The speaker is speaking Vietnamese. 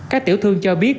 các tiểu thương cho biết